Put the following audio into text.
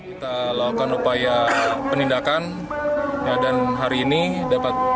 kita lakukan upaya penindakan dan hari ini dapat